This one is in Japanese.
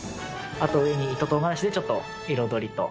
あと上に糸唐辛子でちょっと彩りと